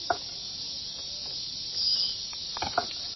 Estaba casado y tenía seis hijos.